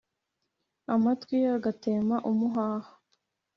amatwi ye agatema umuhaha.